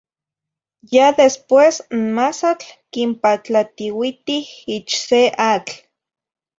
Ya después n masatl quipantlatiuitih ich se atl.